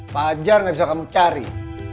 fajar gak bisa kamu cari